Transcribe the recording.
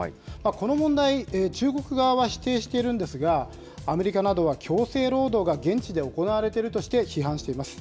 この問題、中国側は否定しているんですが、アメリカなどは、強制労働が現地で行われているとして、批判しています。